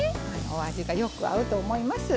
お味がよく合うと思います。